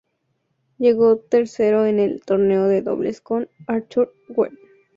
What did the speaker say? Llegó tercero en el torneo de dobles con Arthur Wear.